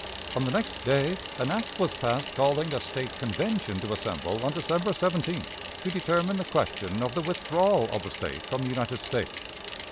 On the next day an act was passed calling a State Convention to assemble on December 17th, to determine the question of the withdrawal of the State from the United States.